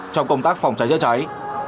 trong công tác phòng cháy chữa cháy